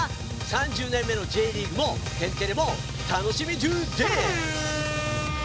３０年目のＪリーグも「天てれ」も楽しみＤＯＤＡＮＣＥ！